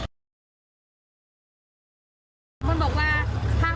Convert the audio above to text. พูดว่าคนอีกก็เห็นเม่าหรือเปล่า